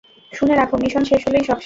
শুনে রাখো, মিশন শেষ হলেই সব শেষ!